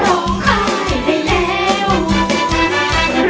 ร้องไข่ได้เร็ว